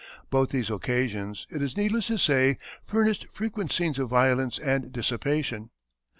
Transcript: Both these occasions, it is needless to say, furnished frequent scenes of violence and dissipation.